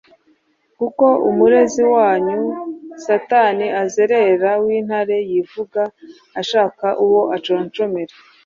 kuko umurezi wanyu satani azerera nk’intare yivuga, ashaka uwo aconshomera.